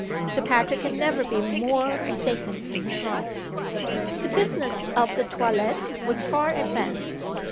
Sir Patrick had never been more mistaken in his life. The business of the toilet was far advanced.